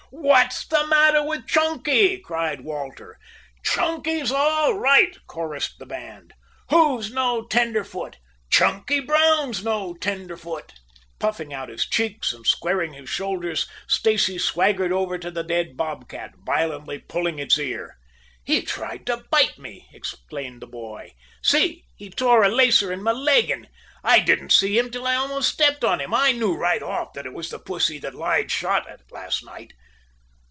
"What's the matter with Chunky?" cried Walter. "Chunky's all right," chorused the band. "Who's no tenderfoot?" "Chunky's Brown's no tenderfoot." Puffing out his cheeks, and squaring his shoulders, Stacy swaggered over to the dead bob cat, violently pulling its ear. "He tried to bite me," explained the boy. "See he tore a lacer in my leggin. I didn't see him till I almost stepped on him. I knew right off that it was the pussy that Lige shot at last night."